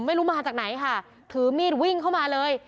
ไม่รู้มาจากไหนค่ะถือมีดวิ่งเข้ามาเลย